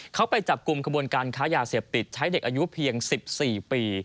เขาไปจับกลุ่มขบวนการค้ายาเสพติดใช้เด็กอายุเพียง๑๔ปี